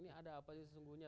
ini ada apa sih sesungguhnya